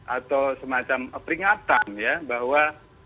atau semacam peringatan ya bahwa